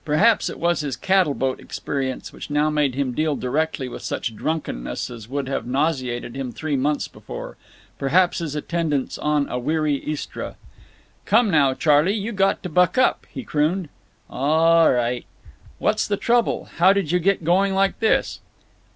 Perhaps it was his cattle boat experience which now made him deal directly with such drunkenness as would have nauseated him three months before; perhaps his attendance on a weary Istra. "Come now, Charley, you got to buck up," he crooned. "All ri'." "What's the trouble? How did you get going like this?"